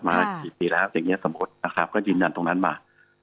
มากี่ปีแล้วอย่างนี้สมมุตินะครับก็ยืนยันตรงนั้นมา